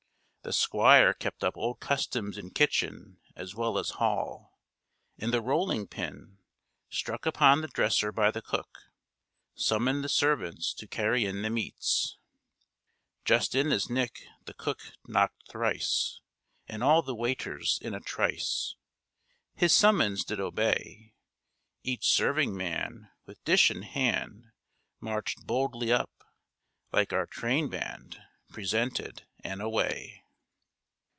The Squire kept up old customs in kitchen as well as hall; and the rolling pin, struck upon the dresser by the cook, summoned the servants to carry in the meats. Just in this nick the cook knock'd thrice, And all the waiters in a trice His summons did obey; Each serving man, with dish in hand, March'd boldly up, like our train band, Presented and away.